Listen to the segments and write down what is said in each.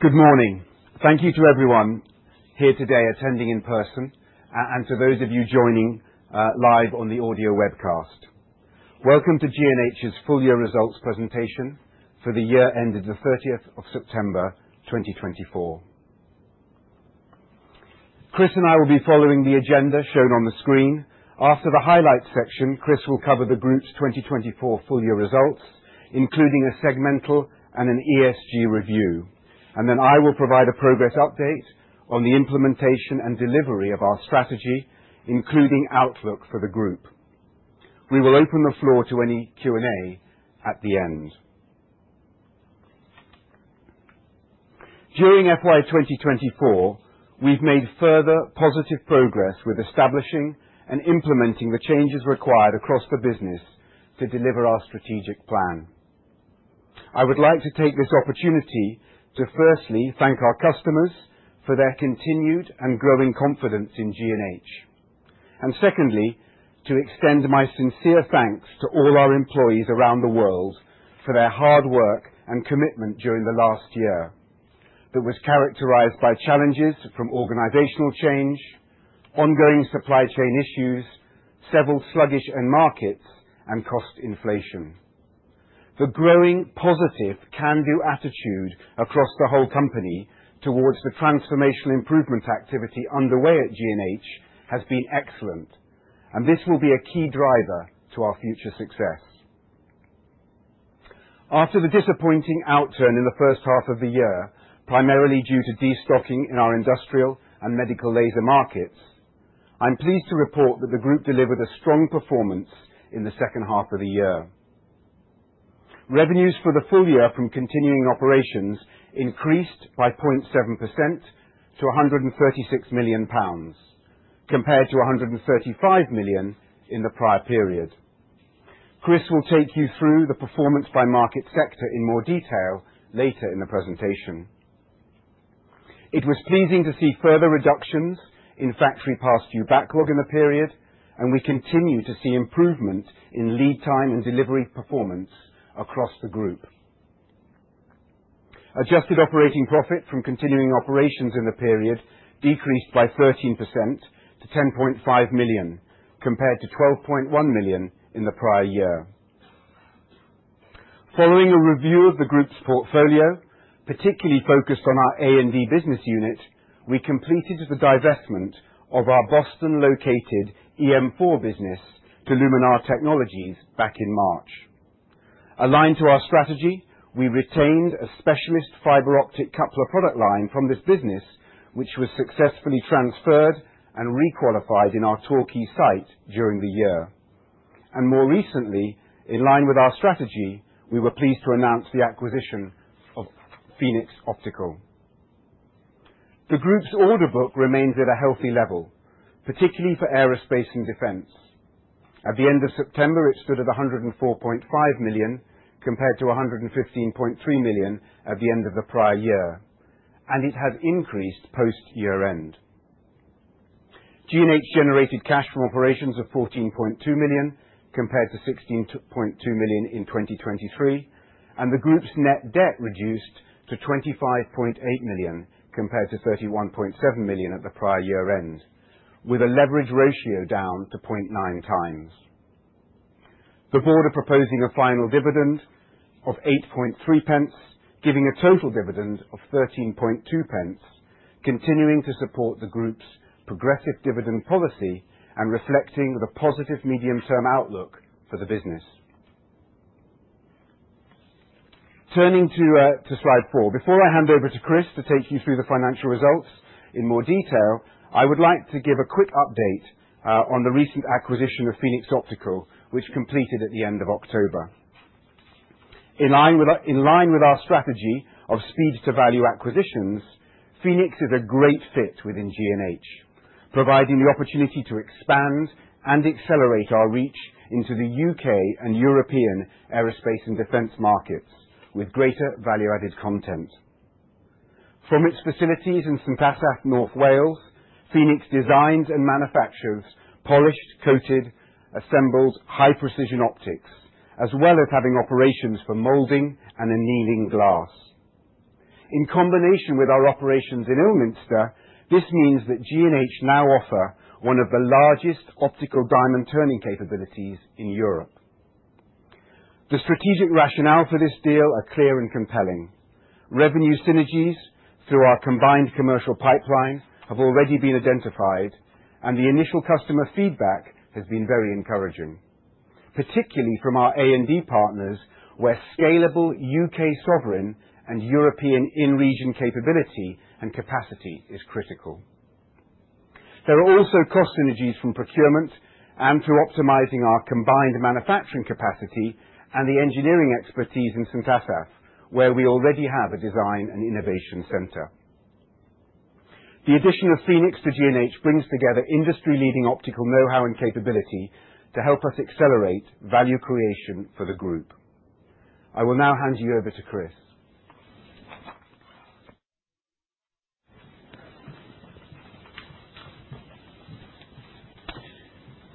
Good morning. Thank you to everyone here today attending in person, and to those of you joining live on the audio webcast. Welcome to G&H's full year results presentation for the year ended the 30th of September, 2024. Chris and I will be following the agenda shown on the screen. After the highlights section, Chris will cover the group's 2024 full year results, including a segmental and an ESG review. I will provide a progress update on the implementation and delivery of our strategy, including outlook for the group. We will open the floor to any Q&A at the end. During FY 2024, we've made further positive progress with establishing and implementing the changes required across the business to deliver our strategic plan. I would like to take this opportunity to firstly thank our customers for their continued and growing confidence in G&H. Secondly, to extend my sincere thanks to all our employees around the world for their hard work and commitment during the last year that was characterized by challenges from organizational change, ongoing supply chain issues, several sluggish end markets and cost inflation. The growing positive can-do attitude across the whole company towards the transformational improvement activity underway at G&H has been excellent, and this will be a key driver to our future success. After the disappointing outturn in the first half of the year, primarily due to destocking in our industrial and medical laser markets, I'm pleased to report that the group delivered a strong performance in the second half of the year. Revenues for the full year from continuing operations increased by 0.7% to 136 million pounds, compared to 135 million in the prior period. Chris will take you through the performance by market sector in more detail later in the presentation. It was pleasing to see further reductions in factory past due backlog in the period, and we continue to see improvement in lead time and delivery performance across the group. Adjusted operating profit from continuing operations in the period decreased by 13% to 10.5 million, compared to 12.1 million in the prior year. Following a review of the group's portfolio, particularly focused on our A&D business unit, we completed the divestment of our Boston located EM4 business to Luminar Technologies back in March. Aligned to our strategy, we retained a specialist fiber optic coupler product line from this business, which was successfully transferred and requalified in our Torquay site during the year. More recently, in line with our strategy, we were pleased to announce the acquisition of Phoenix Optical. The group's order book remains at a healthy level, particularly for aerospace and defense. At the end of September, it stood at 104.5 million, compared to 115.3 million at the end of the prior year, and it has increased post year end. G&H generated cash from operations of 14.2 million, compared to 16.2 million in 2023, and the group's net debt reduced to 25.8 million, compared to 31.7 million at the prior year end, with a leverage ratio down to 0.9x. The board are proposing a final dividend of 0.083, giving a total dividend of 0.132, continuing to support the group's progressive dividend policy and reflecting the positive medium-term outlook for the business. Turning to slide four. Before I hand over to Chris to take you through the financial results in more detail, I would like to give a quick update on the recent acquisition of Phoenix Optical, which completed at the end of October. In line with our strategy of speed to value acquisitions, Phoenix is a great fit within G&H, providing the opportunity to expand and accelerate our reach into the U.K. and European aerospace and defense markets with greater value-added content. From its facilities in St. Asaph, North Wales, Phoenix designs and manufactures polished, coated, assembled high precision optics, as well as having operations for molding and annealing glass. In combination with our operations in Ilminster, this means that G&H now offer one of the largest optical diamond turning capabilities in Europe. The strategic rationale for this deal are clear and compelling. Revenue synergies through our combined commercial pipeline have already been identified, and the initial customer feedback has been very encouraging, particularly from our A&D partners where scalable U.K. sovereign and European in-region capability and capacity is critical. There are also cost synergies from procurement and through optimizing our combined manufacturing capacity and the engineering expertise in St. Asaph, where we already have a design and innovation center. The addition of Phoenix to G&H brings together industry-leading optical know-how and capability to help us accelerate value creation for the group. I will now hand you over to Chris.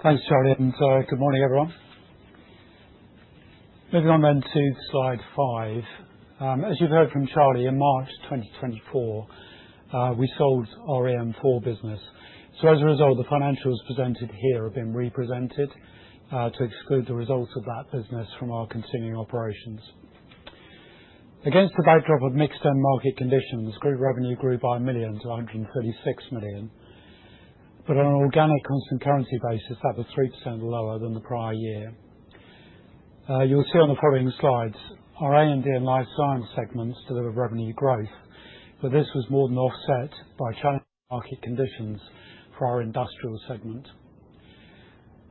Thanks, Charlie, and good morning, everyone. Moving on to slide five. As you've heard from Charlie, in March 2024, we sold our EM4 business. As a result, the financials presented here have been represented to exclude the results of that business from our continuing operations. Against the backdrop of mixed end-market conditions, group revenue grew by GBP from 136 million. On an organic constant currency basis, that was 3% lower than the prior year. You'll see on the following slides, our R&D and life science segments delivered revenue growth, but this was more than offset by challenging market conditions for our industrial segment.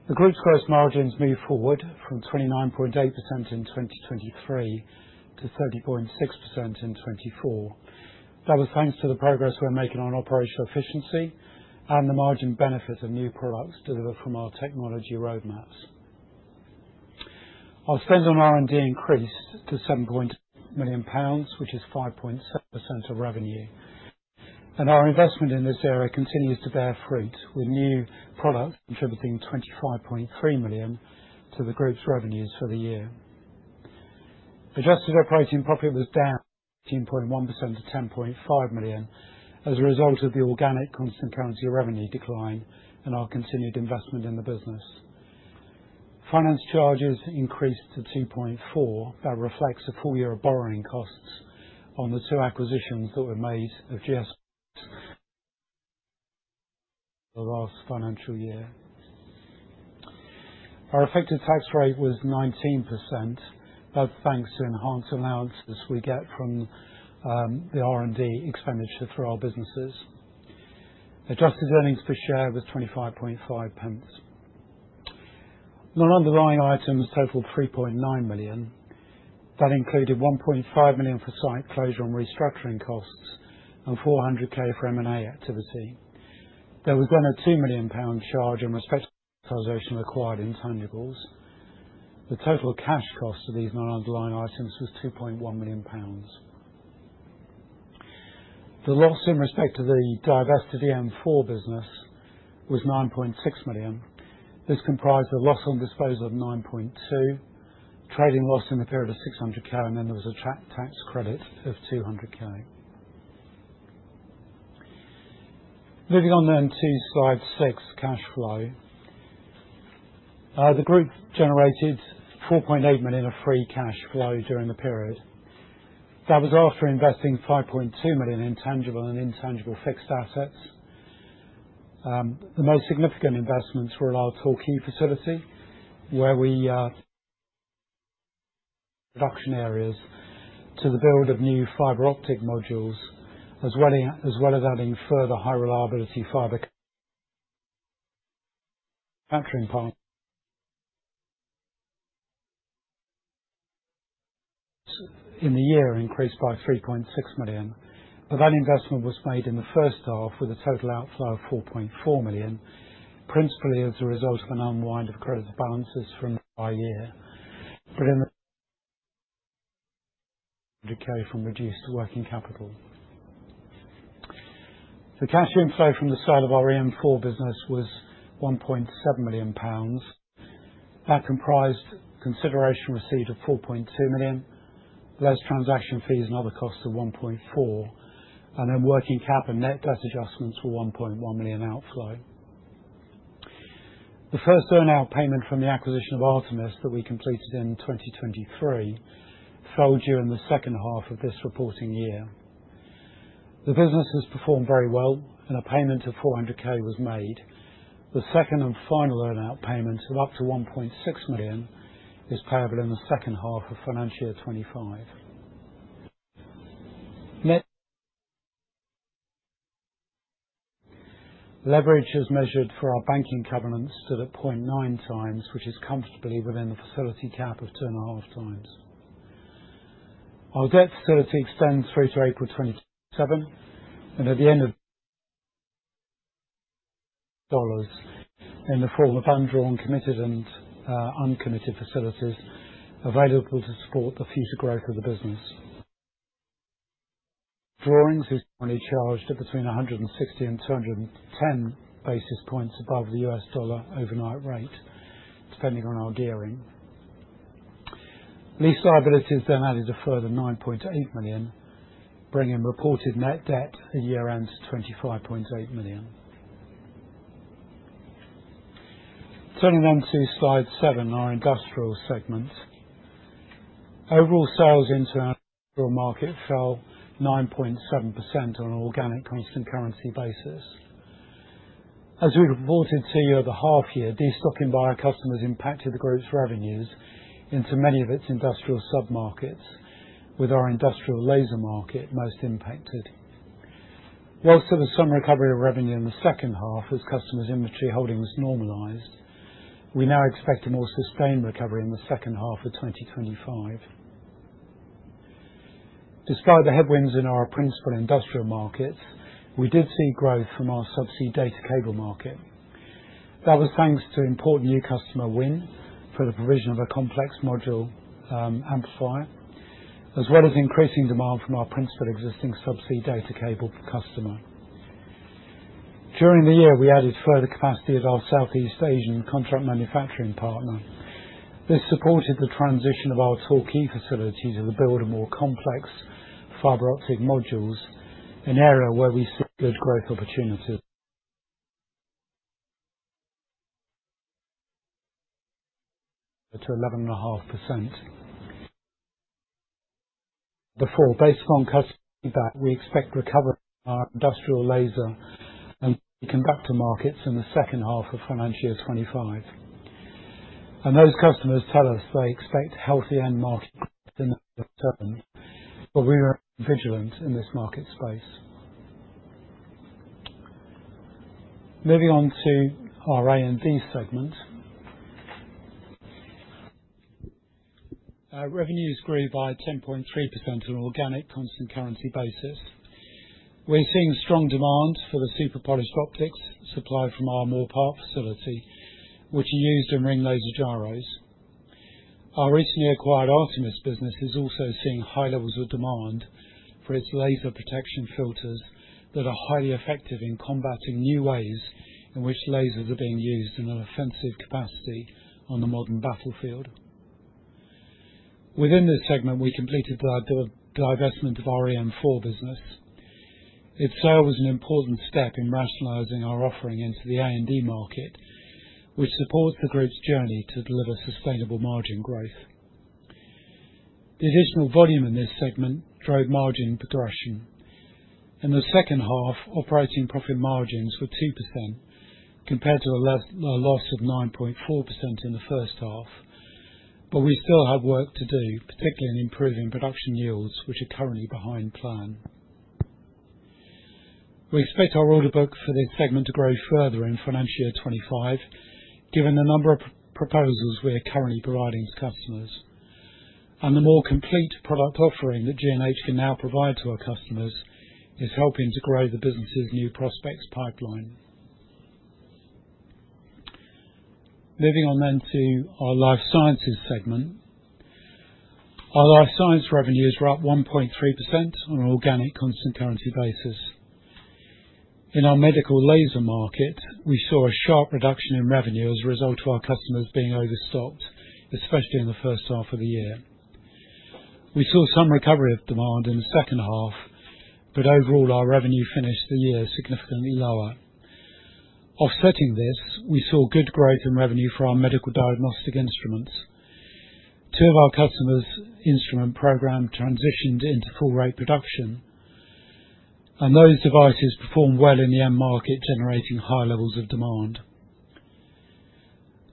The group's gross margins moved forward from 29.8% in 2023 to 30.6% in 2024. That was thanks to the progress we're making on operational efficiency and the margin benefit of new products delivered from our technology roadmaps. Our spend on R&D increased to 7 million pounds, which is 5.7% of revenue. Our investment in this area continues to bear fruit, with new products contributing 25.3 million to the group's revenues for the year. Adjusted operating profit was down 13.1% to 10.5 million as a result of the organic constant currency revenue decline and our continued investment in the business. Finance charges increased to 2.4 million. That reflects a full year of borrowing costs on the two acquisitions that were made in the last financial year. Our effective tax rate was 19%. That's thanks to enhanced allowances we get from the R&D expenditure through our businesses. Adjusted earnings per share was 25.5. Non-underlying items totaled 3.9 million. That included 1.5 million for site closure and restructuring costs and 400,000 for M&A activity. There was a 2 million pound charge in respect to acquired intangibles. The total cash cost of these non-underlying items was 2.1 million pounds. The loss in respect to the divested EM4 business was 9.6 million. This comprised a loss on disposal of 9.2 million, trading loss in the period of 600,000, and a tax credit of 200,000. Moving on to slide six, cash flow. The group generated 4.8 million of free cash flow during the period. That was after investing 5.2 million in tangible and intangible fixed assets. The most significant investments were in our Torquay facility, where we expanded production areas for the build of new fiber optic modules, as well as adding further high-reliability fiber manufacturing. In the year, increased by 3.6 million, but that investment was made in the first half with a total outflow of 4.4 million, principally as a result of an unwind of credit balances from the prior year, in the decrease from reduced working capital. The cash inflow from the sale of our EM4 business was 1.7 million pounds. That comprised consideration received of 4.2 million. Those transaction fees and other costs are 1.4 million, and then working cap and net debt adjustments were 1.1 million outflow. The first earn-out payment from the acquisition of Artemis that we completed in 2023 fell during the second half of this reporting year. The business has performed very well, and a payment of 400,000 was made. The second and final earn-out payment of up to 1.6 million is payable in the second half of financial 2025. Net leverage as measured for our banking covenants stood at 0.9x, which is comfortably within the facility cap of 2.5x. Our debt facility extends through to April 2027, and $65 million in the form of undrawn, committed, and uncommitted facilities available to support the future growth of the business. Drawings is only charged at between 160 and 210 basis points above the U.S. dollar overnight rate, depending on our gearing. Lease liabilities then added a further 9.8 million, bringing reported net debt for the year-end to GBP 25.8 million. Turning to slide seven, our industrial segment. Overall sales into our industrial market fell 9.7% on an organic constant currency basis. As we reported to you over the half year, destocking by our customers impacted the group's revenues into many of its industrial submarkets, with our industrial laser market most impacted. While there was some recovery of revenue in the second half as customers' inventory holding was normalized, we now expect a more sustained recovery in the second half of 2025. Despite the headwinds in our principal industrial markets, we did see growth from our subsea data cable market. That was thanks to important new customer wins for the provision of a complex module, amplifier. As well as increasing demand from our principal existing subsea data cable customer. During the year, we added further capacity at our Southeast Asian contract manufacturing partner. This supported the transition of our Torquay facilities as we build a more complex fiber optic modules, an area where we see good growth opportunities. To 11.5%. Based on customer feedback, we expect recovery in our industrial laser and semiconductor markets in the second half of financial 2025. Those customers tell us they expect healthy end market demand for the second half of the term, but we are vigilant in this market space. Moving on to our A&D segment. Revenues grew by 10.3% on an organic constant currency basis. We're seeing strong demand for the super polished optics supplied from our Moorpark facility, which are used in ring laser gyros. Our recently acquired Artemis business is also seeing high levels of demand for its laser protection filters that are highly effective in combating new ways in which lasers are being used in an offensive capacity on the modern battlefield. Within this segment, we completed the divestment of our EM4 business. Its sale was an important step in rationalizing our offering into the A&D market, which supports the group's journey to deliver sustainable margin growth. The additional volume in this segment drove margin progression. In the second half, operating profit margins were 2% compared to a loss of 9.4% in the first half. We still have work to do, particularly in improving production yields, which are currently behind plan. We expect our order book for this segment to grow further in financial 2025, given the number of proposals we are currently providing to customers. The more complete product offering that G&H can now provide to our customers is helping to grow the business' new prospects pipeline. Moving on then to our Life Sciences segment. Our Life Sciences revenues were up 1.3% on an organic constant currency basis. In our medical laser market, we saw a sharp reduction in revenue as a result of our customers being overstocked, especially in the first half of the year. We saw some recovery of demand in the second half, but overall, our revenue finished the year significantly lower. Offsetting this, we saw good growth in revenue for our medical diagnostic instruments. Two of our customers instrument program transitioned into full rate production, and those devices performed well in the end market, generating high levels of demand.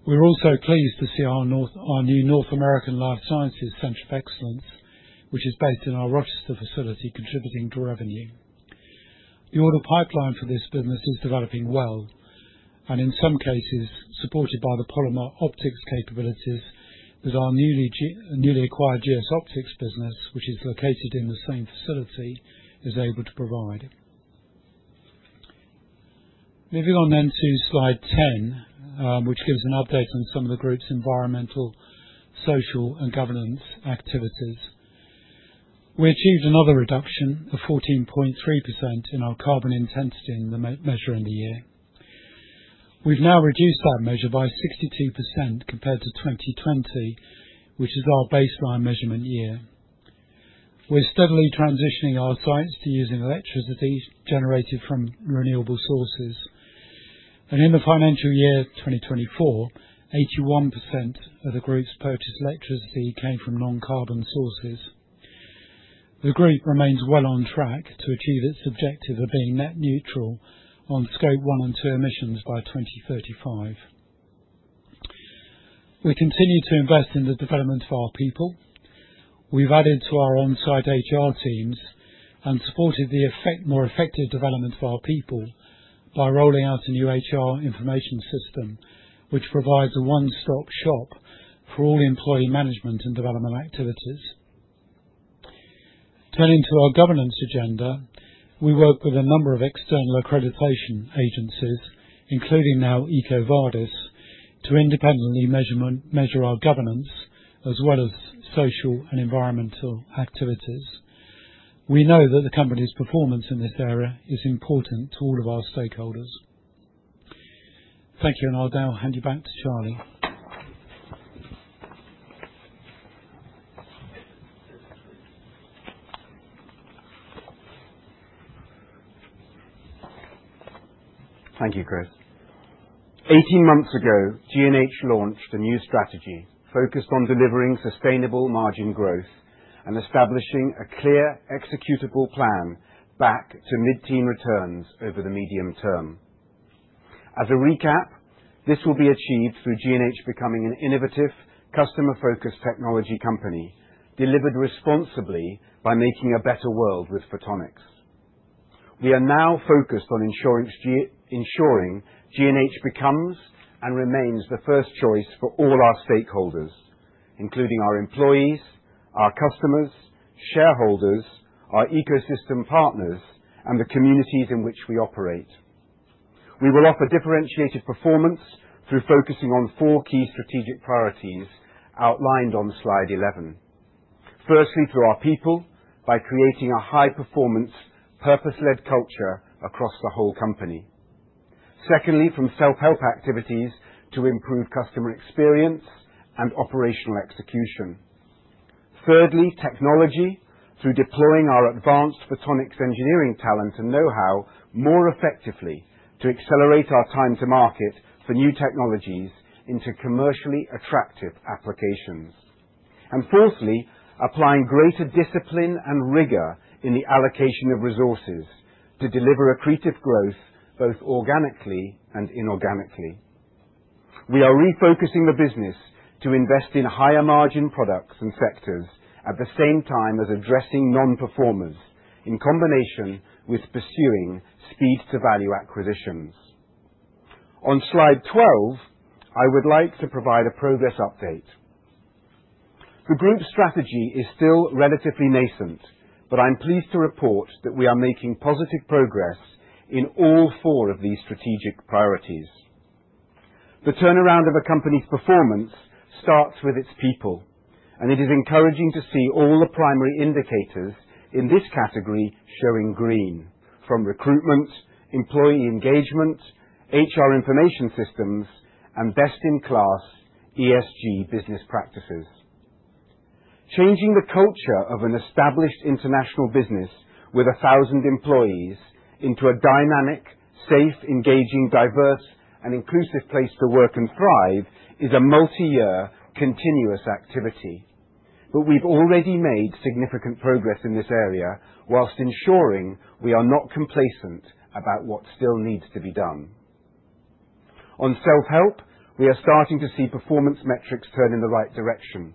We were also pleased to see our new North American Life Sciences Center of Excellence, which is based in our Rochester facility, contributing to revenue. The order pipeline for this business is developing well, and in some cases, supported by the polymer optics capabilities with our newly acquired GS Optics business, which is located in the same facility, is able to provide. Moving on to slide 10, which gives an update on some of the group's environmental, social, and governance activities. We achieved another reduction of 14.3% in our carbon intensity in the measure in the year. We've now reduced that measure by 62% compared to 2020, which is our baseline measurement year. We're steadily transitioning our science to using electricity generated from renewable sources. In the financial year 2024, 81% of the group's purchased electricity came from non-carbon sources. The group remains well on track to achieve its objective of being net neutral on Scope 1 and 2 emissions by 2035. We continue to invest in the development of our people. We've added to our on-site HR teams and supported more effective development of our people by rolling out a new HR information system, which provides a one-stop shop for all employee management and development activities. Turning to our governance agenda, we work with a number of external accreditation agencies, including now EcoVadis, to independently measure our governance, as well as social and environmental activities. We know that the company's performance in this area is important to all of our stakeholders. Thank you, and I'll now hand you back to Charlie. Thank you, Chris. 18 months ago, G&H launched a new strategy focused on delivering sustainable margin growth and establishing a clear executable plan back to mid-teen returns over the medium-term. As a recap, this will be achieved through G&H becoming an innovative, customer-focused technology company, delivered responsibly by making a better world with photonics. We are now focused on ensuring G&H becomes and remains the first choice for all our stakeholders, including our employees, our customers, shareholders, our ecosystem partners, and the communities in which we operate. We will offer differentiated performance through focusing on four key strategic priorities outlined on slide 11. Firstly, through our people by creating a high-performance, purpose-led culture across the whole company. Secondly, from self-help activities to improve customer experience and operational execution. Thirdly, technology through deploying our advanced photonics engineering talent and know-how more effectively to accelerate our time to market for new technologies into commercially attractive applications. Fourthly, applying greater discipline and rigor in the allocation of resources to deliver accretive growth both organically and inorganically. We are refocusing the business to invest in higher margin products and sectors at the same time as addressing non-performers in combination with pursuing speed to value acquisitions. On slide 12, I would like to provide a progress update. The group strategy is still relatively nascent, but I'm pleased to report that we are making positive progress in all four of these strategic priorities. The turnaround of a company's performance starts with its people, and it is encouraging to see all the primary indicators in this category showing green. From recruitment, employee engagement, HR information systems, and best in class ESG business practices. Changing the culture of an established international business with 1,000 employees into a dynamic, safe, engaging, diverse, and inclusive place to work and thrive is a multi-year continuous activity. We've already made significant progress in this area while ensuring we are not complacent about what still needs to be done. On self-help, we are starting to see performance metrics turn in the right direction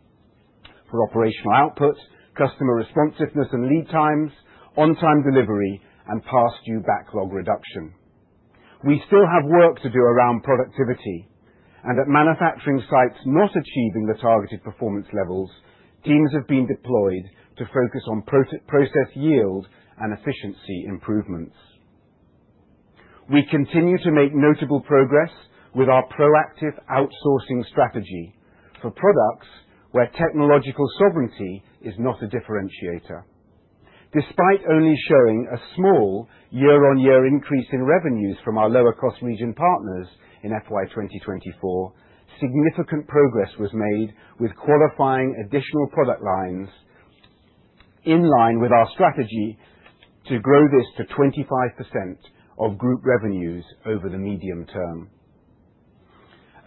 for operational output, customer responsiveness and lead times, on-time delivery, and past due backlog reduction. We still have work to do around productivity and at manufacturing sites not achieving the targeted performance levels. Teams have been deployed to focus on process yield and efficiency improvements. We continue to make notable progress with our proactive outsourcing strategy for products where technological sovereignty is not a differentiator. Despite only showing a small year-on-year increase in revenues from our lower cost region partners in FY 2024, significant progress was made with qualifying additional product lines in line with our strategy to grow this to 25% of group revenues over the medium-term.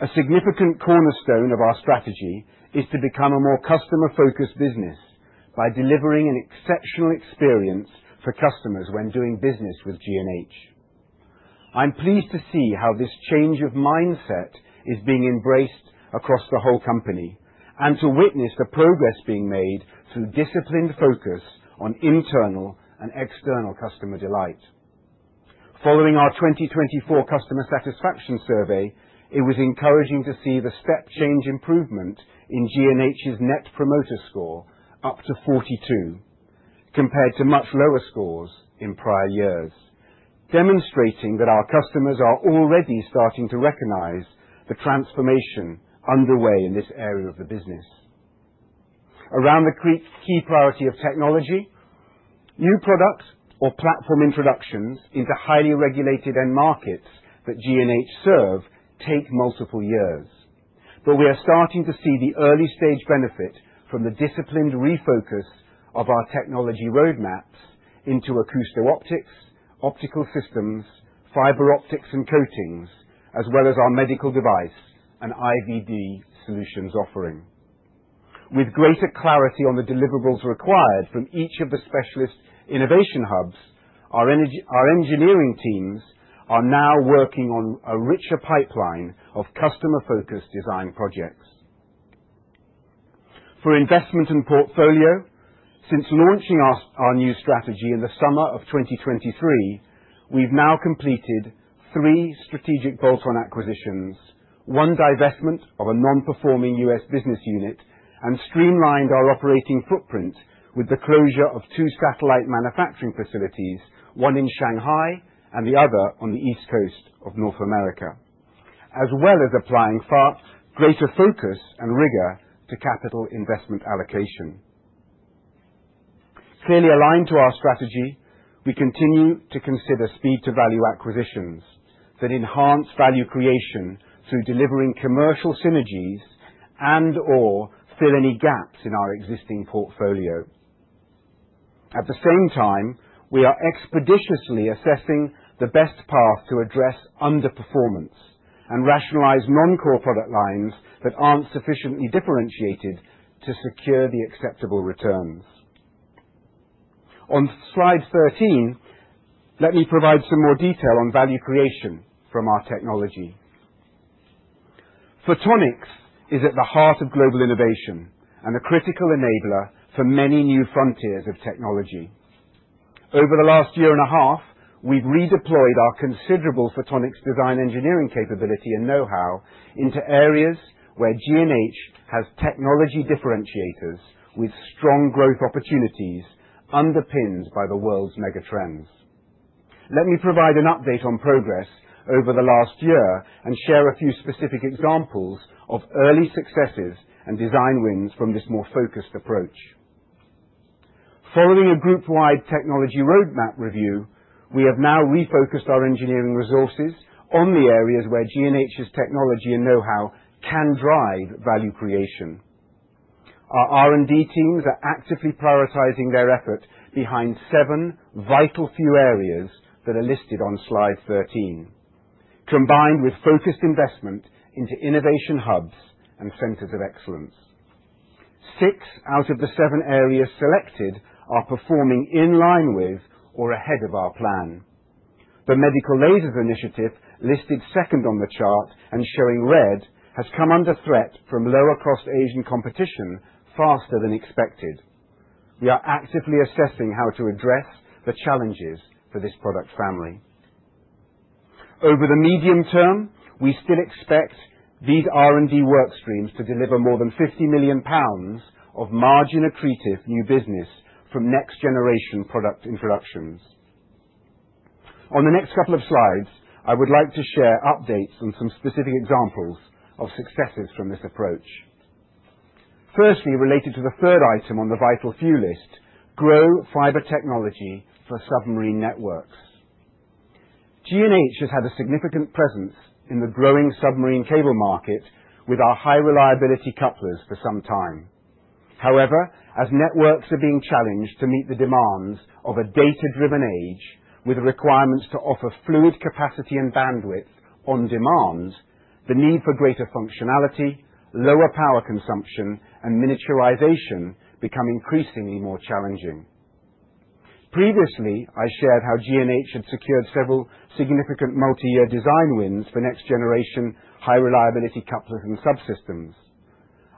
A significant cornerstone of our strategy is to become a more customer-focused business by delivering an exceptional experience for customers when doing business with G&H. I'm pleased to see how this change of mindset is being embraced across the whole company, and to witness the progress being made through disciplined focus on internal and external customer delight. Following our 2024 customer satisfaction survey, it was encouraging to see the step change improvement in G&H's Net Promoter Score up to 42, compared to much lower scores in prior years, demonstrating that our customers are already starting to recognize the transformation underway in this area of the business. Around the key priority of technology, new product or platform introductions into highly regulated end markets that G&H serve take multiple years. We are starting to see the early stage benefit from the disciplined refocus of our technology roadmaps into acousto-optics, optical systems, fiber optics and coatings, as well as our medical device and IVD solutions offering. With greater clarity on the deliverables required from each of the specialist innovation hubs, our engineering teams are now working on a richer pipeline of customer focused design projects. For investment in portfolio, since launching our new strategy in the summer of 2023, we've now completed three strategic bolt-on acquisitions, one divestment of a non-performing U.S. business unit, and streamlined our operating footprint with the closure of two satellite manufacturing facilities, one in Shanghai and the other on the East Coast of North America. As well as applying far greater focus and rigor to capital investment allocation. Clearly aligned to our strategy, we continue to consider speed to value acquisitions that enhance value creation through delivering commercial synergies and/or fill any gaps in our existing portfolio. At the same time, we are expeditiously assessing the best path to address underperformance and rationalize non-core product lines that aren't sufficiently differentiated to secure the acceptable returns. On slide 13, let me provide some more detail on value creation from our technology. Photonics is at the heart of global innovation and a critical enabler for many new frontiers of technology. Over the last year and a half, we've redeployed our considerable photonics design engineering capability and know-how into areas where G&H has technology differentiators with strong growth opportunities. Underpinned by the world's megatrends. Let me provide an update on progress over the last year and share a few specific examples of early successes and design wins from this more focused approach. Following a group wide technology roadmap review, we have now refocused our engineering resources on the areas where G&H's technology and know-how can drive value creation. Our R&D teams are actively prioritizing their effort behind seven vital few areas that are listed on slide 13, combined with focused investment into innovation hubs and centers of excellence. Six out of the seven areas selected are performing in line with or ahead of our plan. The medical lasers initiative, listed second on the chart and showing red, has come under threat from lower cost Asian competition faster than expected. We are actively assessing how to address the challenges for this product family. Over the medium-term, we still expect these R&D work streams to deliver more than 50 million pounds of margin accretive new business from next generation product introductions. On the next couple of slides, I would like to share updates on some specific examples of successes from this approach. Firstly, related to the third item on the vital few list, grow fiber technology for submarine networks. G&H has had a significant presence in the growing submarine cable market with our high reliability couplers for some time. However, as networks are being challenged to meet the demands of a data-driven age with requirements to offer fluid capacity and bandwidth on demand, the need for greater functionality, lower power consumption and miniaturization become increasingly more challenging. Previously, I shared how G&H had secured several significant multi-year design wins for next generation high reliability couplers and subsystems.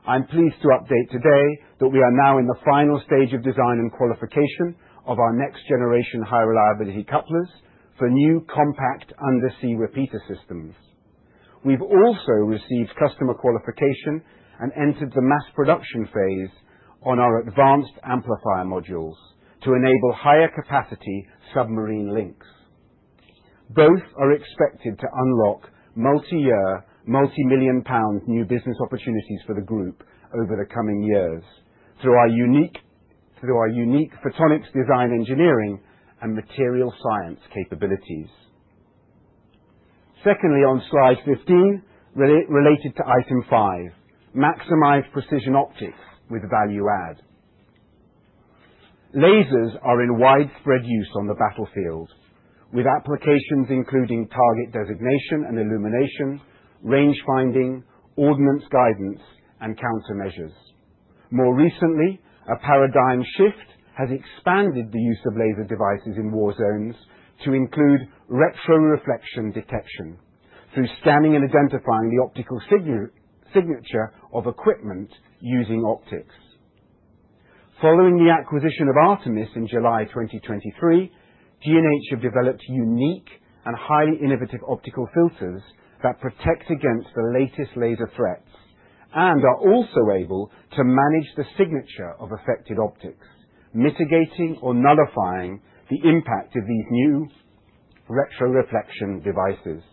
I'm pleased to update today that we are now in the final stage of design and qualification of our next generation high reliability couplers for new compact undersea repeater systems. We've also received customer qualification and entered the mass production phase on our advanced amplifier modules to enable higher capacity submarine links. Both are expected to unlock multi-year, multi-million pound new business opportunities for the group over the coming years through our unique photonics design, engineering and material science capabilities. Secondly, on slide 15, related to item five, maximize precision optics with value add. Lasers are in widespread use on the battlefield with applications including target designation and illumination, range finding, ordnance guidance and countermeasures. More recently, a paradigm shift has expanded the use of laser devices in war zones to include retroreflection detection through scanning and identifying the optical signature of equipment using optics. Following the acquisition of Artemis in July 2023, G&H have developed unique and highly innovative optical filters that protect against the latest laser threats and are also able to manage the signature of affected optics, mitigating or nullifying the impact of these new retroreflection devices.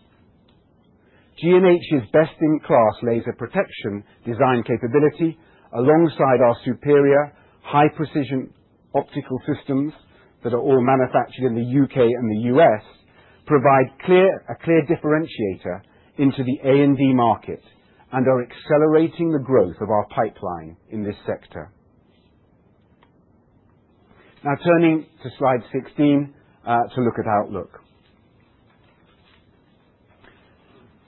G&H's best in class laser protection design capability alongside our superior high precision optical systems that are all manufactured in the U.K. and the U.S., provide a clear differentiator into the A&D market and are accelerating the growth of our pipeline in this sector. Now turning to slide 16 to look at outlook.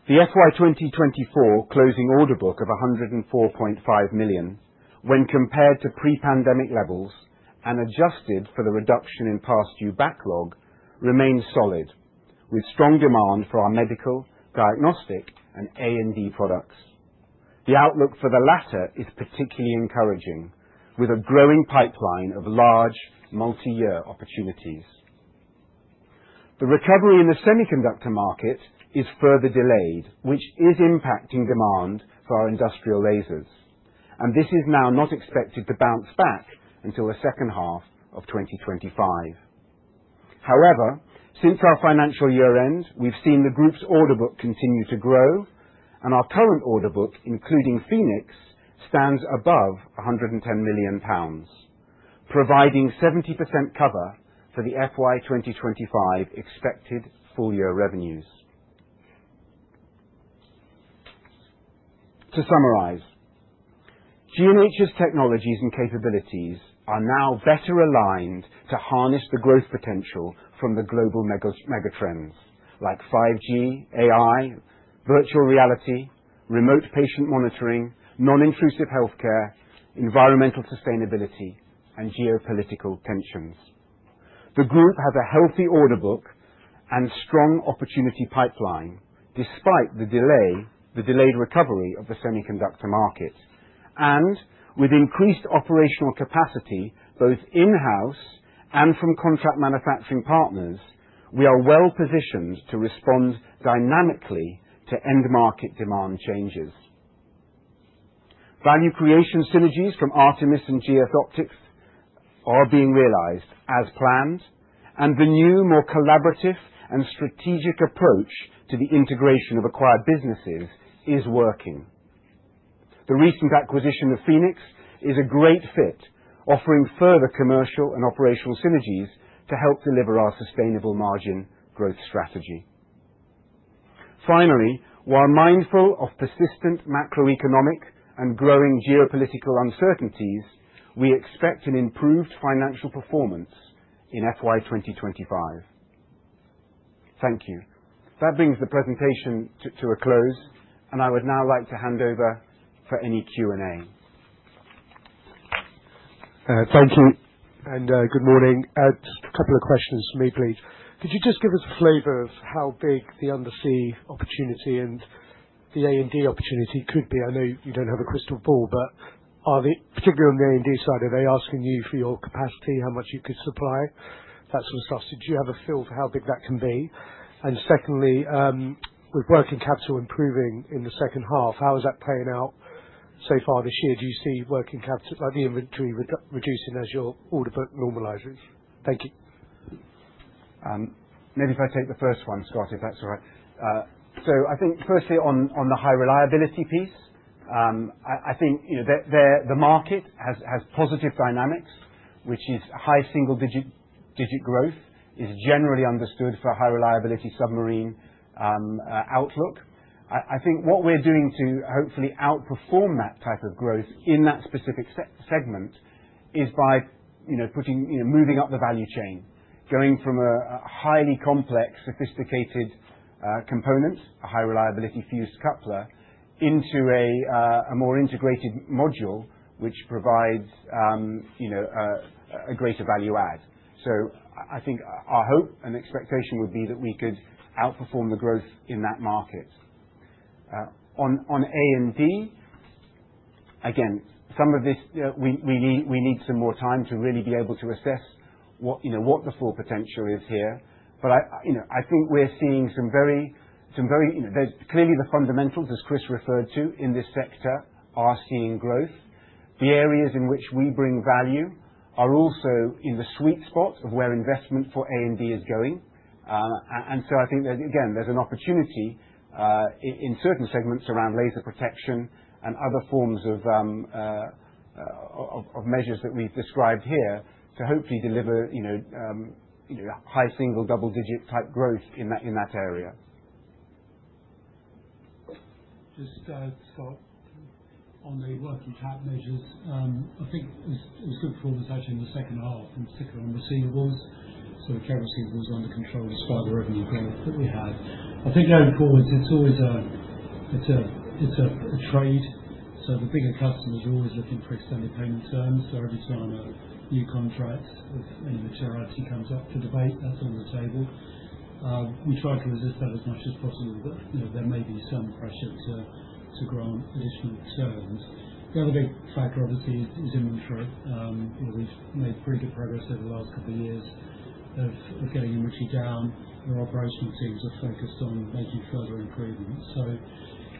The FY 2024 closing order book of 104.5 million, when compared to pre-pandemic levels and adjusted for the reduction in past due backlog, remains solid with strong demand for our medical, diagnostic and A&D products. The outlook for the latter is particularly encouraging, with a growing pipeline of large multi-year opportunities. The recovery in the semiconductor market is further delayed, which is impacting demand for our industrial lasers, and this is now not expected to bounce back until the second half of 2025. However, since our financial year end, we've seen the group's order book continue to grow and our current order book, including Phoenix, stands above 110 million pounds, providing 70% cover for the FY 2025 expected full year revenues. To summarize, G&H's technologies and capabilities are now better aligned to harness the growth potential from the global megatrends like 5G, AI, virtual reality, remote patient monitoring, non-intrusive healthcare, environmental sustainability and geopolitical tensions. The group has a healthy order book and strong opportunity pipeline despite the delayed recovery of the semiconductor market. With increased operational capacity both in-house and from contract manufacturing partners, we are well-positioned to respond dynamically to end market demand changes. Value creation synergies from Artemis and GS Optics are being realized as planned, and the new, more collaborative and strategic approach to the integration of acquired businesses is working. The recent acquisition of Phoenix is a great fit, offering further commercial and operational synergies to help deliver our sustainable margin growth strategy. Finally, while mindful of persistent macroeconomic and growing geopolitical uncertainties, we expect an improved financial performance in FY 2025. Thank you. That brings the presentation to a close, and I would now like to hand over for any Q&A. Thank you, and good morning. Just a couple of questions for me, please. Could you just give us a flavor of how big the undersea opportunity and the A&D opportunity could be? I know you don't have a crystal ball, but are they, particularly on the A&D side, asking you for your capacity, how much you could supply, that sort of stuff? Do you have a feel for how big that can be? Secondly, with working capital improving in the second half, how is that playing out so far this year? Do you see working capital, the inventory reducing as your order book normalizes? Thank you. Maybe if I take the first one, Scott, if that's all right. I think firstly on the high reliability piece, I think, you know, the market has positive dynamics, which is high single-digit growth generally understood for high reliability submarine outlook. I think what we're doing to hopefully outperform that type of growth in that specific segment is by, you know, putting, you know, moving up the value chain, going from a highly complex, sophisticated component, a high reliability fused coupler, into a more integrated module which provides, you know, a greater value add. I think our hope and expectation would be that we could outperform the growth in that market. On A&D, again, some of this, we need some more time to really be able to assess what, you know, what the full potential is here. I think we're seeing some very. There's clearly the fundamentals, as Chris referred to, in this sector are seeing growth. The areas in which we bring value are also in the sweet spot of where investment for A&D is going. I think there's, again, an opportunity in certain segments around laser protection and other forms of measures that we've described here to hopefully deliver, you know, high single, double-digit type growth in that area. Just, Scott, on the working cap measures, I think it was good performance actually in the second half, in particular on receivables. Trade receivables are under control despite the revenue growth that we had. I think going forwards, it's always a trade, so the bigger customers are always looking for extended payment terms. Every time a new contract with any maturity comes up to debate, that's on the table. We try to resist that as much as possible, but, you know, there may be some pressure to grant additional terms. The other big factor obviously is inventory. You know, we've made pretty good progress over the last couple of years of getting inventory down. Our operational teams are focused on making further improvements.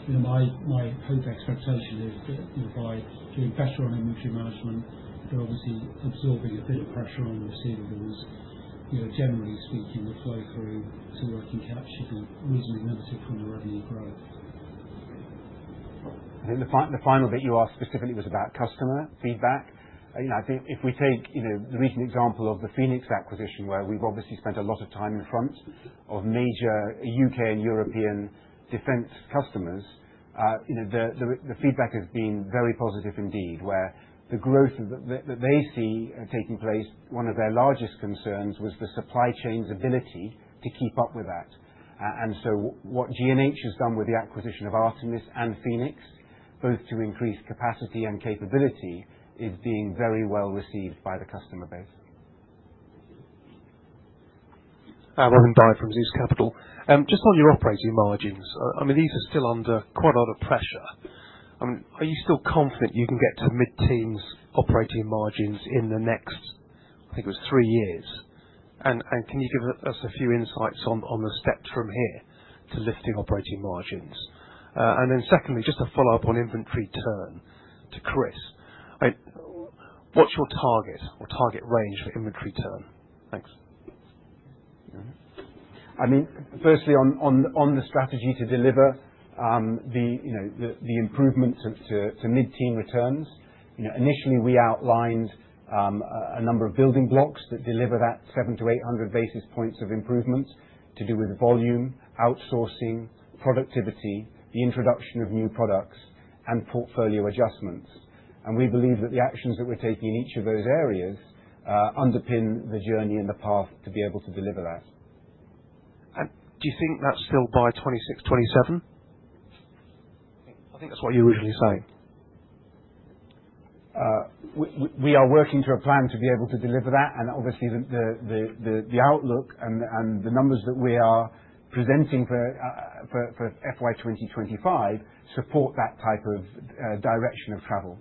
You know, my hope expectation is that, you know, by doing better on inventory management, we're obviously absorbing a bit of pressure on receivables. You know, generally speaking, the flow through to working cap should be reasonably limited from the revenue growth. The final bit you asked specifically was about customer feedback. You know, I think if we take, you know, the recent example of the Phoenix acquisition, where we've obviously spent a lot of time in front of major U.K. and European defense customers, you know, the feedback has been very positive indeed, where the growth that they see taking place, one of their largest concerns was the supply chain's ability to keep up with that. So what G&H has done with the acquisition of Artemis and Phoenix, both to increase capacity and capability, is being very well received by the customer base. Robin Byde from Zeus Capital. Just on your operating margins, I mean, these are still under quite a lot of pressure. Are you still confident you can get to mid-teens operating margins in the next, I think it was three years? Can you give us a few insights on the steps from here to lifting operating margins? Then secondly, just to follow up on inventory turn to Chris. What's your target or target range for inventory turn? Thanks. I mean, firstly on the strategy to deliver the improvements to mid-teen returns, you know, initially we outlined a number of building blocks that deliver that 700-800 basis points of improvements to do with volume, outsourcing, productivity, the introduction of new products, and portfolio adjustments. We believe that the actions that we're taking in each of those areas underpin the journey and the path to be able to deliver that. Do you think that's still by 2026, 2027? That's what you usually say. We are working to a plan to be able to deliver that, and obviously the outlook and the numbers that we are presenting for FY 2025 support that type of direction of travel.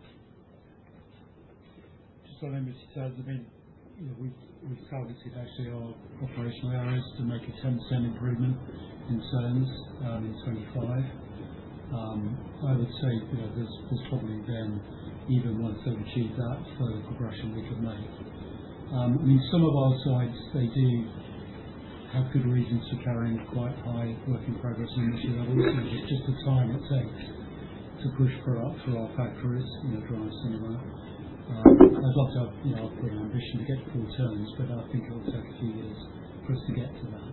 Just on inventory. I mean, you know, we've targeted actually our operational areas to make a 10% improvement in terms in 2025. I would say, you know, there's probably then even once they've achieved that further progression we could make. I mean, some of our sites, they do have good reasons for carrying quite high work-in-progress inventory. It's just the time it takes to push through our factories, you know, drive some of that. There's also, you know, our ambition to get to inaudible terms, but I think it will take a few years for us to get to that.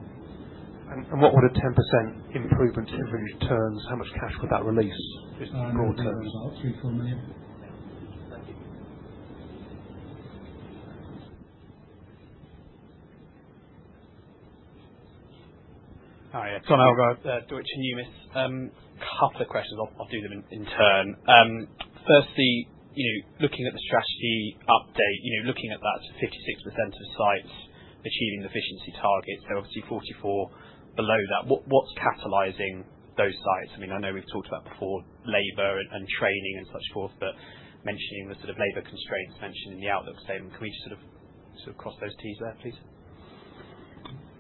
What would a 10% improvement in terms, how much cash would that release just in broad terms? About GBP 3 million, GBP 4 million. Thank you. Hi. Tom Elgar, Deutsche Numis. A couple of questions. I'll do them in turn. Firstly, you know, looking at the strategy update, you know, looking at that 56% of sites achieving efficiency targets, so obviously 44% below that. What's catalyzing those sites? I mean, I know we've talked about before labor and training and so forth, but mentioning the sort of labor constraints mentioned in the outlook statement. Can we just sort of cross those T's there, please?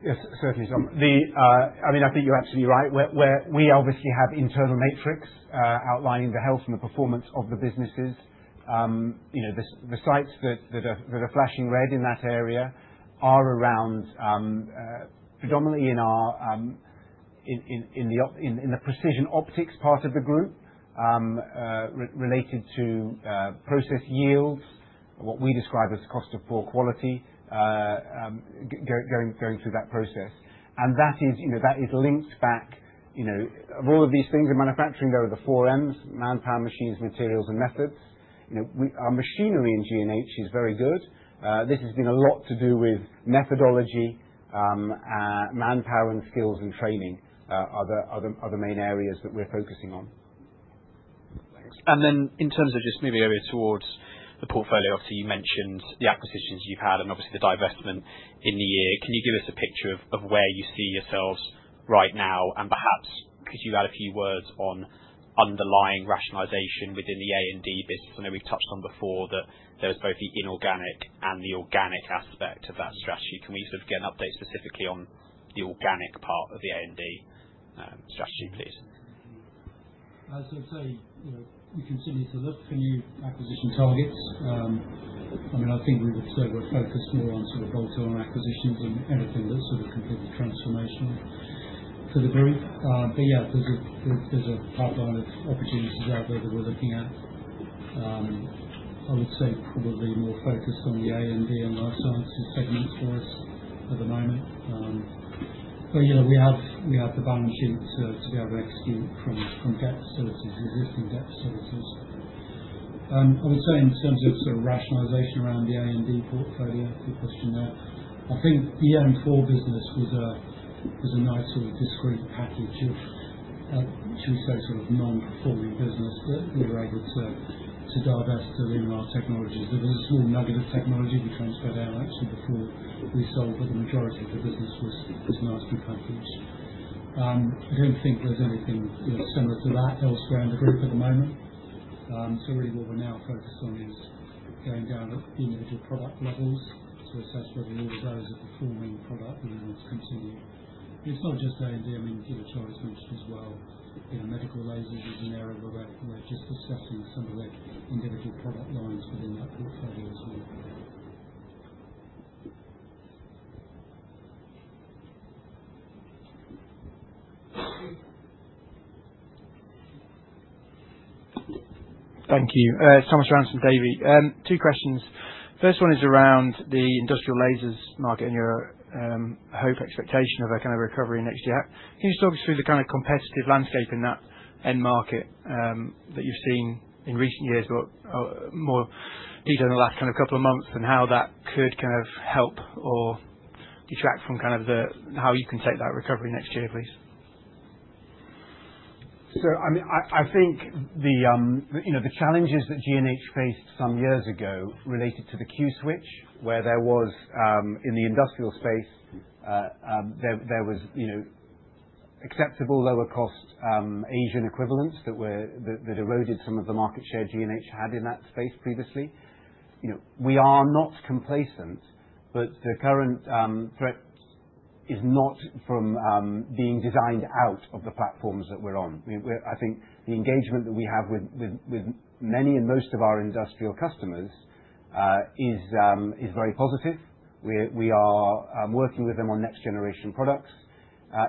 Yes, certainly, Tom. I mean, I think you're absolutely right. Where we obviously have internal metrics outlining the health and the performance of the businesses. You know, the sites that are flashing red in that area are around predominantly in the precision optics part of the group related to process yields. What we describe as cost of poor quality going through that process. That is linked back, you know, of all of these things in manufacturing, there are the four M's: manpower, machines, materials, and methods. Our machinery in G&H is very good. This has been a lot to do with methodology, and manpower and skills and training are the main areas that we're focusing on. Thanks. In terms of just maybe over towards the portfolio. Obviously, you mentioned the acquisitions you've had and obviously the divestment in the year. Can you give us a picture of where you see yourselves right now and perhaps could you add a few words on underlying rationalization within the A&D business? I know we've touched on before that there was both the inorganic and the organic aspect of that strategy. Can we sort of get an update specifically on the organic part of the A&D strategy, please? As I say, you know, we continue to look for new acquisition targets. I mean, I think we would say we're focused more on sort of bolt-on acquisitions and anything that's sort of completely transformational to the group. Yeah, there's a pipeline of opportunities out there that we're looking at. I would say probably more focused on the A&D and Life Sciences segments for us at the moment. You know, we have the balance sheet to be able to execute from debt facilities, existing debt facilities. I would say in terms of sort of rationalization around the A&D portfolio, good question there. I think the EM4 business was a nice sort of discrete package of, shall we say sort of non-performing business that we were able to divest to Luminar Technologies. There was a small nugget of technology we transferred out actually before we sold, but the majority of the business was nicely packaged. I don't think there's anything, you know, similar to that elsewhere in the group at the moment. Really what we're now focused on is going down at the individual product levels to assess whether all of those are performing product and want to continue. It's not just A&D. I mean, you know, Charlie's mentioned as well, you know, medical lasers is an area we're just discussing some of the individual product lines within that portfolio as well. Thank you. Thomas Rands, Davy. Two questions. First one is around the industrial lasers market and your hope expectation of a kind of recovery next year. Can you just talk us through the kind of competitive landscape in that end market that you've seen in recent years, but more detail in the last kind of couple of months, and how that could kind of help or detract from kind of the how you can take that recovery next year, please? I mean, I think the challenges that G&H faced some years ago related to the Q-switch, where there was in the industrial space, there was, you know, acceptable lower cost Asian equivalents that eroded some of the market share G&H had in that space previously. You know, we are not complacent, but the current threat is not from being designed out of the platforms that we're on. I think the engagement that we have with many and most of our industrial customers is very positive. We are working with them on next generation products.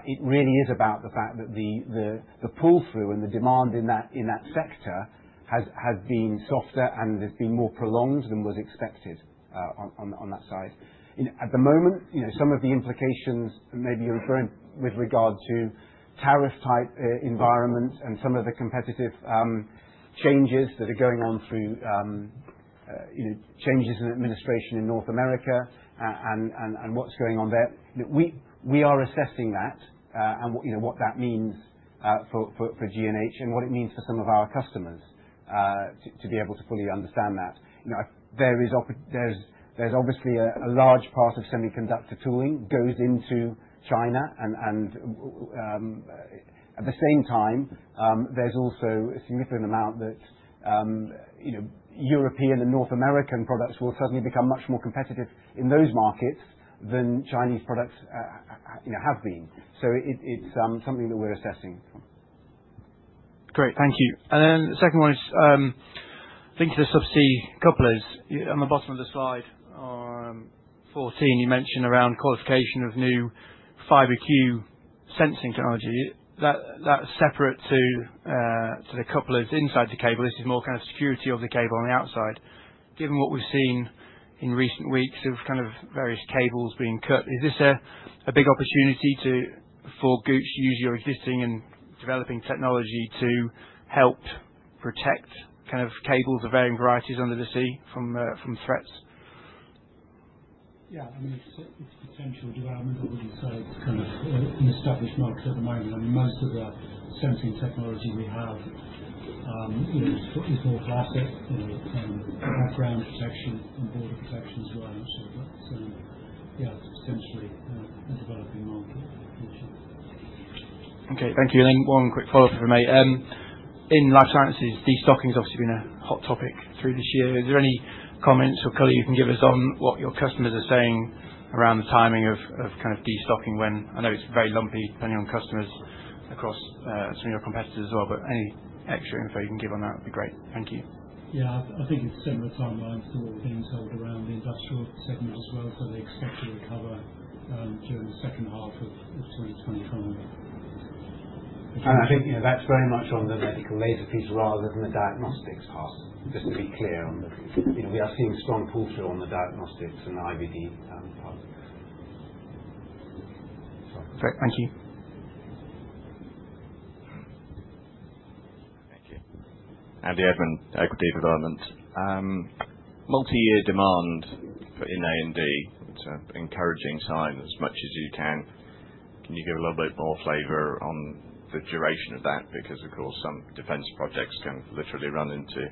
It really is about the fact that the pull-through and the demand in that sector has been softer and has been more prolonged than was expected, on that side. You know, at the moment, you know, some of the implications maybe you're referring with regard to tariff type environments and some of the competitive changes that are going on through you know, changes in administration in North America and what's going on there. We are assessing that, and what you know what that means, for G&H and what it means for some of our customers, to be able to fully understand that. You know, there's obviously a large part of semiconductor tooling goes into China and, at the same time, there's also a significant amount that, you know, European and North American products will suddenly become much more competitive in those markets than Chinese products have been. It's something that we're assessing. Great. Thank you. The second one is turn to the subsea couplers. On the bottom of the slide 14, you mentioned around qualification of new Fibre-Q sensing technology. That's separate to sort of couplers inside the cable. This is more kind of security of the cable on the outside. Given what we've seen in recent weeks of kind of various cables being cut, is this a big opportunity for Gooch to use your existing and developing technology to help protect kind of cables of varying varieties under the sea from threats? Yeah. I mean, it's a potential development, I would say. It's kind of an established market at the moment. I mean, most of the sensing technology we have, you know, is more classic, you know, background protection and border protection as well. That's, yeah, potentially a developing market for sure. Okay, thank you. One quick follow-up from me. In Life Sciences, destocking's obviously been a hot topic through this year. Is there any comments or color you can give us on what your customers are saying around the timing of kind of destocking? I know it's very lumpy depending on customers across some of your competitors as well, but any extra info you can give on that would be great. Thank you. I think it's similar timelines to what we've been told around the industrial segment as well. They expect to recover during the second half of 2025. I think, you know, that's very much on the medical laser piece rather than the diagnostics part. Just to be clear. You know, we are seeing strong pull-through on the diagnostics and IVD part of the business. Great. Thank you. Thank you. Andy Edmond, Equity Development. Multi-year demand for in A&D. It's an encouraging sign as much as you can. Can you give a little bit more flavor on the duration of that? Because, of course, some defense projects can literally run into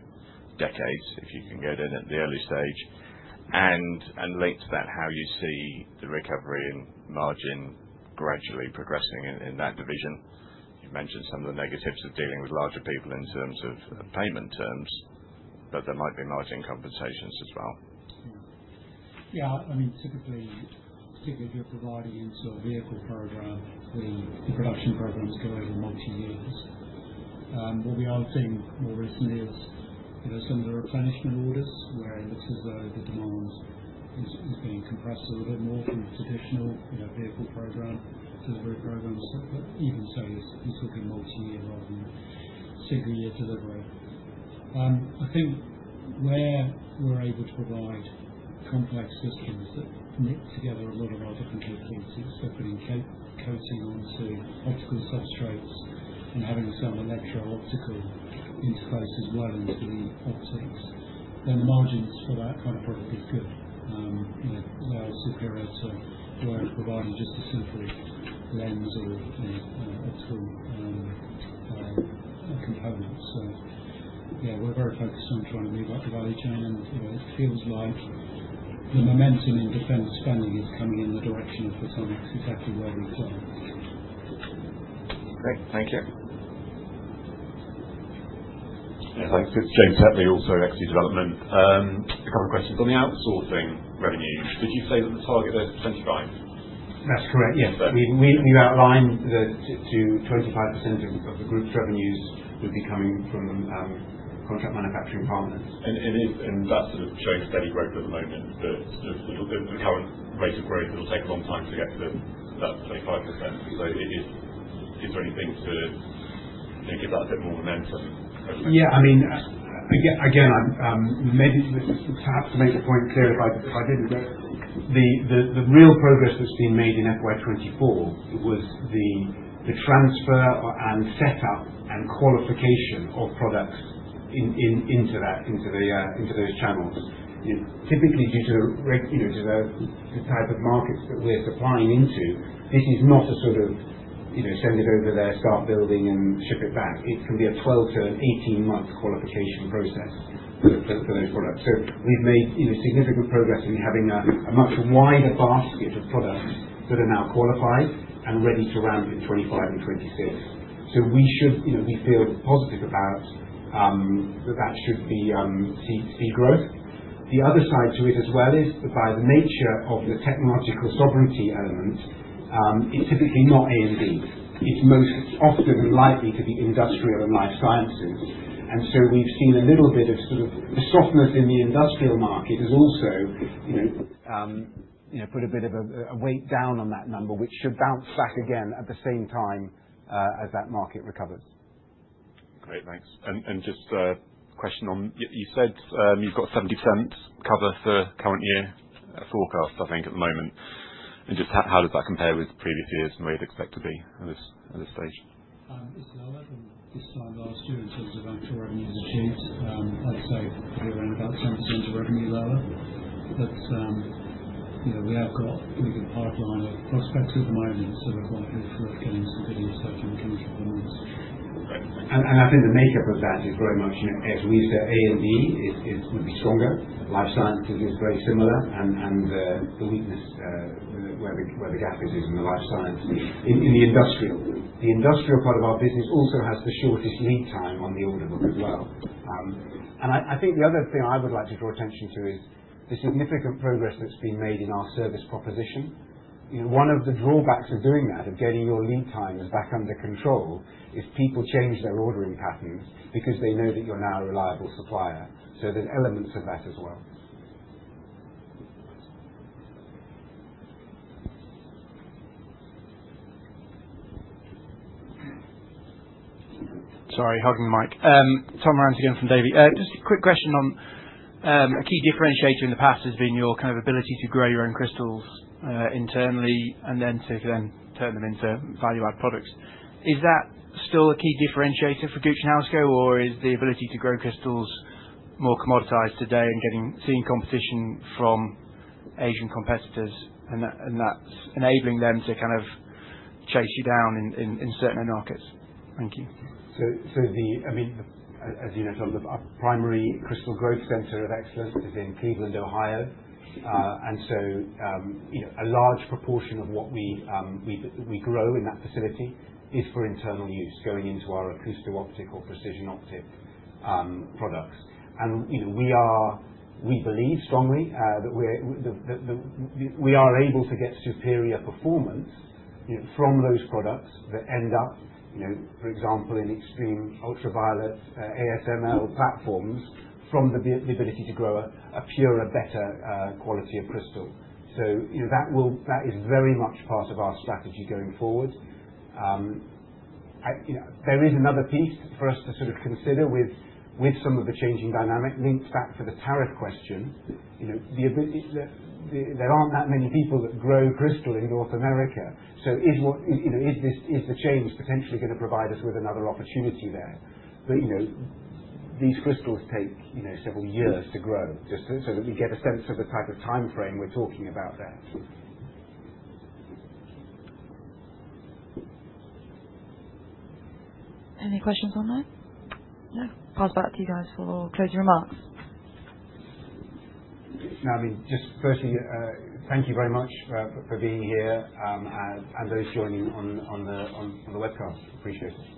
decades if you can get in at the early stage. Linked to that, how you see the recovery and margin gradually progressing in that division. You've mentioned some of the negatives of dealing with larger people in terms of payment terms, but there might be margin compensations as well. I mean, typically, particularly if you're providing into a vehicle program, the production programs go over multi-years. What we are seeing more recently is, you know, some of the replenishment orders where it looks as though the demand is being compressed a little bit more from the traditional, you know, vehicle program, delivery programs. Even so, it's still gonna multi-year rather than single year delivery. I think where we're able to provide complex systems that knit together a lot of our different capabilities, so putting coatings onto optical substrates and having some electro-optical interfaces woven into the optics, then the margins for that kind of product is good. You know, they are superior to where we're providing just a simple lens or, you know, optical components. Yeah, we're very focused on trying to move up the value chain, and it feels like the momentum in defense spending is coming in the direction of where some of this is actually where we play. Great. Thank you. Yeah, thanks. It's James Tetley, also Equity Development. A couple of questions. On the outsourcing revenue, did you say that the target there is 25%? That's correct, yes. You outlined that to 25% of the group's revenues would be coming from contract manufacturing partners. That sort of shows steady growth at the moment. Just sort of the current rate of growth, it'll take a long time to get to that 25%. Is there anything to, you know, give that a bit more momentum potentially? Yeah. I mean, again, I'm maybe perhaps to make the point clear, if I didn't, the real progress that's been made in FY 2024 was the transfer and setup and qualification of products into those channels. You know, typically due to you know to the type of markets that we're supplying into, this is not a sort of you know send it over there, start building and ship it back. It can be a 12-18-month qualification process for those products. We've made you know significant progress in having a much wider basket of products that are now qualified and ready to ramp in 2025 and 2026. We should you know we feel positive about that that should be see growth. The other side to it as well is that by the nature of the technological sovereignty element, it's typically not A&D. It's more likely to be industrial and life sciences. We've seen a little bit of sort of softness in the industrial market has also, you know, you know, put a bit of a weight down on that number, which should bounce back again at the same time as that market recovers. Great. Thanks. Just a question. You said you've got 70% cover for current year forecast, I think, at the moment. Just how does that compare with previous years and where you'd expect to be at this stage? It's lower than this time last year in terms of actual revenues achieved. I'd say probably around about 10% of revenue lower. You know, we have got a good pipeline of prospects at the moment, so we're quite enthusiastic and getting certain things across. I think the makeup of that is very much, you know, as we said, A&D is stronger. Life Sciences is very similar. The weakness, where the gap is in the life sciences, in the industrial. The industrial part of our business also has the shortest lead time on the order book as well. I think the other thing I would like to draw attention to is the significant progress that's been made in our service proposition. You know, one of the drawbacks of doing that, of getting your lead times back under control, is people change their ordering patterns because they know that you're now a reliable supplier. There's elements of that as well. Sorry, hugging the mic. Tom Rands again from Davy. Just a quick question on a key differentiator in the past has been your kind of ability to grow your own crystals internally and then to turn them into value-added products. Is that still a key differentiator for Gooch & Housego, or is the ability to grow crystals more commoditized today and seeing competition from Asian competitors and that, and that's enabling them to kind of chase you down in certain markets? Thank you. As you know, Tom, our primary crystal growth center of excellence is in Cleveland, Ohio. A large proportion of what we grow in that facility is for internal use, going into our acousto-optic or precision optic products. We believe strongly that we are able to get superior performance from those products that end up, for example, in extreme ultraviolet ASML platforms from the ability to grow a purer, better quality of crystal. That is very much part of our strategy going forward. There is another piece for us to sort of consider with some of the changing dynamic links back for the tariff question. The ability. There aren't that many people that grow crystal in North America. Is what. You know, is this the change potentially gonna provide us with another opportunity there? You know, these crystals take, you know, several years to grow. Just so that we get a sense of the type of timeframe we're talking about there. Any questions online? No. Pass back to you guys for closing remarks. No, I mean, just firstly, thank you very much, for being here, and those joining on the webcast. Appreciate it.